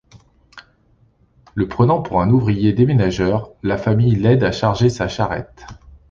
Le prenant pour un ouvrier déménageur, la famille l'aide à charger sa charrette.